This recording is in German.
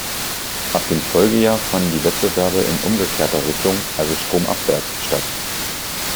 Ab dem Folgejahr fanden die Wettbewerbe in umgekehrter Richtung, also stromabwärts, statt.